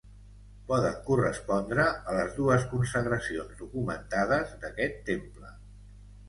Poden correspondre a les dues consagracions documentades d'aquest temple.